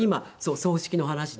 葬式の話で。